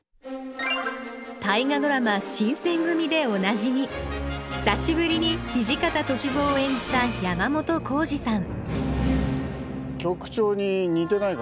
大河ドラマ「新選組！」でおなじみ久しぶりに土方歳三を演じた山本耕史さん局長に似てないか？